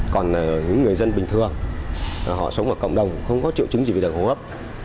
còn những người dân bình thường họ sống ở cộng đồng không có triệu chứng gì về đồng hồ ấp